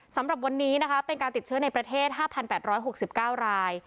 สำหรับวันนี้นะคะเป็นการติดเชื้อในประเทศห้าพันแปดร้อยหกสิบเก้าราย